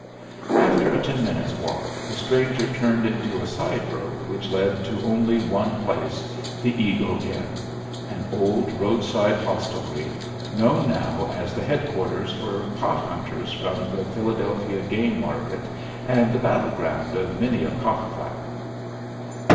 After a ten minutes' walk the stranger turned into a side road which led to only one place, the Eagle Inn, an old roadside hostelry known now as the headquarters for pothunters from the Philadelphia game market and the battleground of many a cock fight.